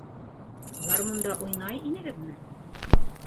Гармунда уйнай инегеҙме?